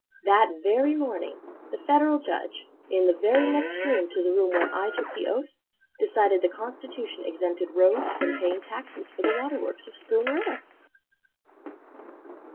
That very morning The Federal Judge, in the very next room To the room where I took the oath, Decided the constitution Exempted Rhodes from paying taxes For the water works of Spoon River!